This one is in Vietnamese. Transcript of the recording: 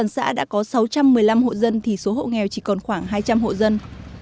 số hộ nghèo chỉ còn khoảng hai trăm linh hộ dân